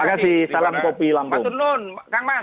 terima kasih salam kopi